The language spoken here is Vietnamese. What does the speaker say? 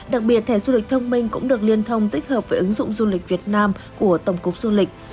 đặc biệt thẻ du lịch thông minh cũng được liên thông tích hợp với ứng dụng du lịch việt nam của tổng cục du lịch